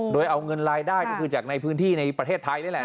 โดยเอาเงินรายได้ก็คือจากในพื้นที่ในประเทศไทยนี่แหละ